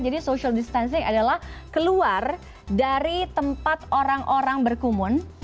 jadi social distancing adalah keluar dari tempat orang orang berkumpul